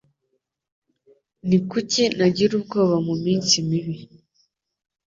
Ni kuki nagira ubwoba mu minsi mibi